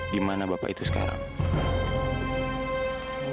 dimana bapak itu sekarang